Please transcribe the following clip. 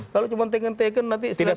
kalau cuma taken taken nanti setelah itu